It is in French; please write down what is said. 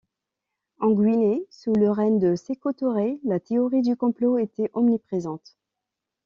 En Guinée sous le règne de Sékou Touré, la théorie du complot était omniprésente.